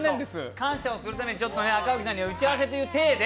感謝を贈るために赤荻さんには、打ち合わせというていで